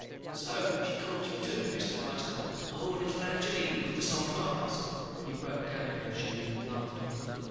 "So she caught you, too, Mr. Wise cop, poor little Angelina with the soft eyes." He broke down again, shaking with laughter.